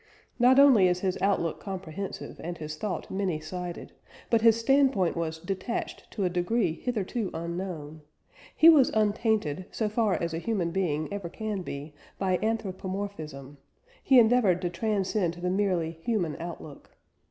Not only is his outlook comprehensive, and his thought many sided, but his standpoint was "detached" to a degree hitherto unknown. He was untainted, so far as a human being ever can be, by "anthropomorphism"; he endeavoured to transcend the merely human outlook.